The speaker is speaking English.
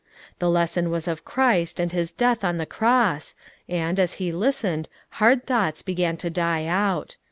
The lesson was of Christ and His death on the cross, and, as he listened, hard thoughts began to die out.